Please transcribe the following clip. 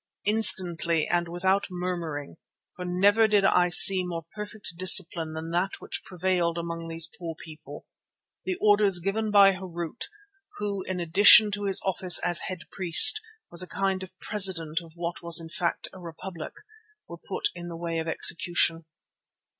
Instantly and without murmuring, for never did I see more perfect discipline than that which prevailed among these poor people, the orders given by Harût, who in addition to his office as head priest was a kind of president of what was in fact a republic, were put in the way of execution.